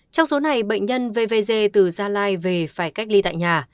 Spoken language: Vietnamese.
trong số này bệnh nhân vvg từ gia lai về phải cách ly tại nhà